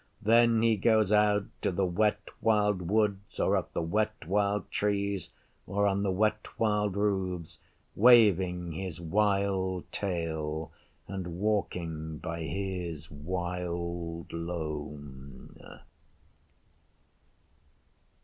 Then he goes out to the Wet Wild Woods or up the Wet Wild Trees or on the Wet Wild Roofs, waving his wild tail and walking by his wild lone.